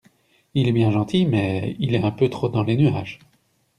Il est bien gentil, mais il est un peu trop dans les nuages.